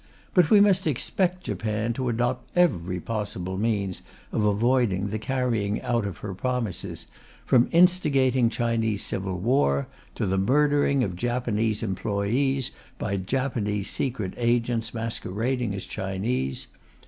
But we must expect Japan to adopt every possible means of avoiding the carrying out of her promises, from instigating Chinese civil war to the murdering of Japanese employees by Japanese secret agents masquerading as Chinese.